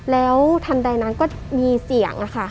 แล้วทันใดนั้นก็มีเสียงค่ะ